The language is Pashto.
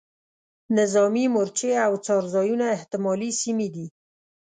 نظامي مورچې او څار ځایونه احتمالي سیمې دي.